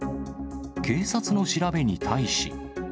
警察の調べに対し。